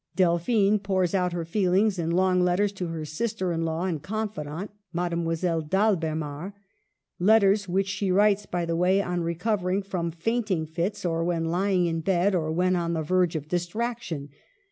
Delphine pours out her feelings in long letters to her sister in law and confidant, Mademoiselle d' Alb6mar, letters which she writes, by the way, on recovering from faint ing fits, or when lying in bed, or when on the verge of distraction.